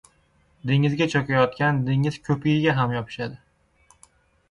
• Dengizga cho‘kayotgan dengiz ko‘pigiga ham yopishadi.